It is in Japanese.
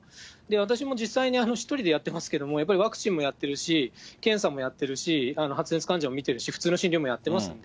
私も実際に、１人でやってますけど、やっぱりワクチンもやってるし、検査もやってるし、発熱患者も診てるし、普通の診療もやってますんで。